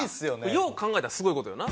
よう考えたらすごい事よな。